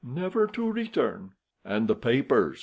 "Never to return." "And the papers?"